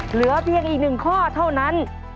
เหลือเพียงอีก๑ข้อเท่านั้น